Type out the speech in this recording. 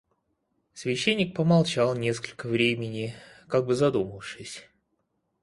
Священник помолчал несколько времени, как бы задумавшись.